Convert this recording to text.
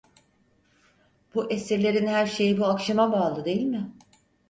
Bu esirlerin her şeyi bu akşama bağlı, değil mi?